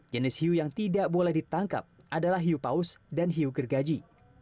jenis hiu yang tidak boleh ditangkap adalah hiu paus dan hiu gergaji